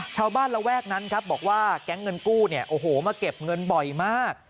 ชาวบ้านระแวกนั้นครับบอกว่าแก๊งเงินกู้มาเก็บเงินบ่อยมาก